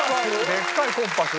でっかいコンパス？